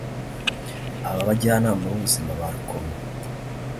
Aba bajyanama b’ubuzima ba Rukomo